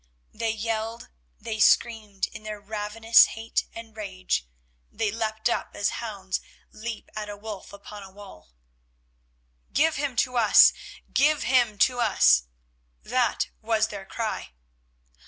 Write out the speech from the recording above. They yelled, they screamed in their ravenous hate and rage; they leapt up as hounds leap at a wolf upon a wall. "Give him to us, give him to us!" that was their cry.